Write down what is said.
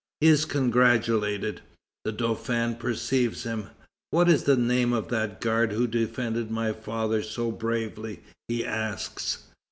He is congratulated. The Dauphin perceives him. "What is the name of that guard who defended my father so bravely?" he asks.